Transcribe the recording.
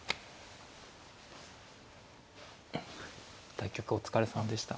対局お疲れさまでした。